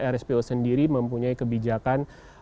rspo sendiri mempunyai kebijakan